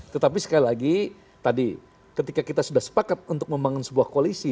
tetapi sekali lagi tadi ketika kita sudah sepakat untuk membangun sebuah koalisi